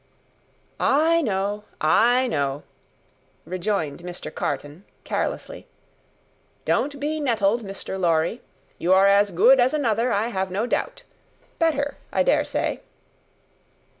"I know, I know," rejoined Mr. Carton, carelessly. "Don't be nettled, Mr. Lorry. You are as good as another, I have no doubt: better, I dare say."